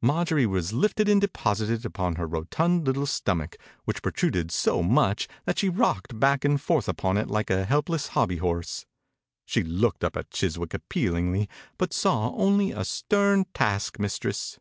Marjorie was lifted and de posited upon her rotund little 50 THE INCUBATOR BABY Stomach, which protruded so much that she rocked back and forth upon it like a helpless hobby horse. She looked up at Chiswick appealingly but saw only a stern taskmistress.